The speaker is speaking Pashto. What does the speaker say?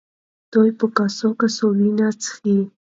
دوی په کاسو کاسو وینې څښي.